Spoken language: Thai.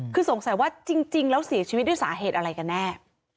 คือสงสัยว่าจริงแล้วเสียชีวิตด้วยสาเหตุอะไรกันแน่